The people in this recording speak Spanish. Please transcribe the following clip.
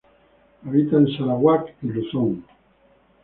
Habita en Sarawak y Luzon.